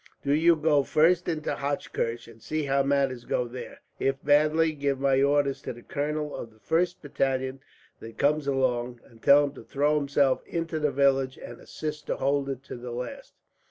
Do you go first into Hochkirch, and see how matters go there. If badly, give my order to the colonel of the first battalion that comes along, and tell him to throw himself into the village and assist to hold it to the last.